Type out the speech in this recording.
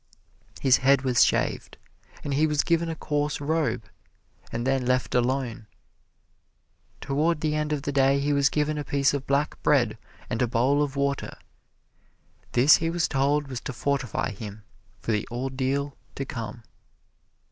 His head was shaved, and he was given a coarse robe and then left alone. Toward the end of the day he was given a piece of black bread and a bowl of water. This he was told was to fortify him for the ordeal to come.